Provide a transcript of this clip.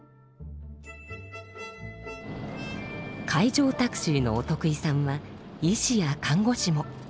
海上タクシーのお得意さんは医師や看護師も。